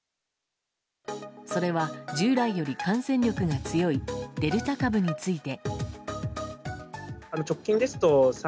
それは従来より感染力が強いデルタ株について。